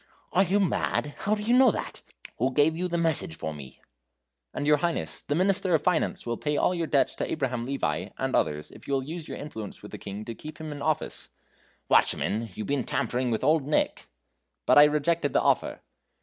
"Are you mad? how do you know that? Who gave you the message for me?" "And, your Highness, the Minister of Finance will pay all your debts to Abraham Levi and others if you will use your influence with the King to keep him in office." "Watchman! you've been tampering with Old Nick." "But I rejected the offer."